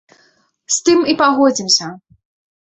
З тым і пагодзімся.